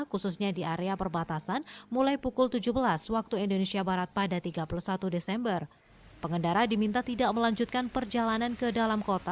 khususnya di area perbatasan mulai pukul tujuh belas waktu indonesia barat pada tiga puluh satu desember pengendara diminta